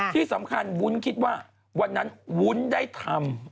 ที่สำคัญวุ้นคิดว่าวันนั้นวุ้นได้ทำ